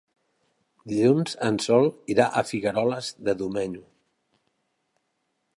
Dilluns en Sol irà a Figueroles de Domenyo.